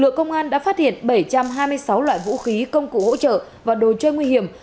lực lượng công an đã phát hiện bảy trăm hai mươi sáu loại vũ khí công cụ hỗ trợ và đồ chơi nguy hiểm